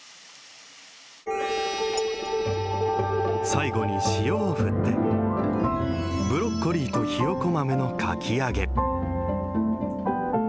最後に塩を振って、ブロッコリーとひよこ豆のかき揚げ。